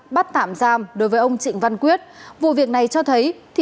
bắt tạm giam đối với ông trịnh văn quyết